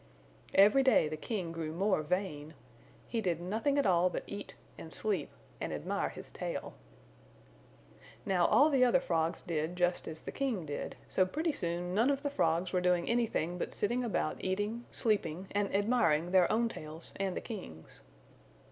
Every day the King grew more vain. He did nothing at all but eat and sleep and admire his tail. "Now all the other Frogs did just as the King did, so pretty soon none of the Frogs were doing anything but sitting about eating, sleeping and admiring their own tails and the King's.